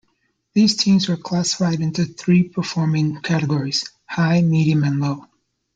These teams were classified into three performing categories: high, medium and low.